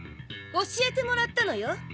教えてもらったのよ。